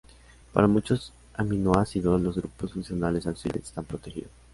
Para muchos aminoácidos, los grupos funcionales auxiliares están protegidos.